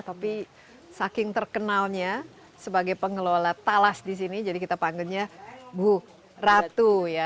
tapi saking terkenalnya sebagai pengelola talas di sini jadi kita panggilnya bu ratu ya